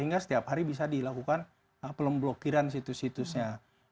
hingga setiap hari bisa dilakukan pelem blokiran situs situsnya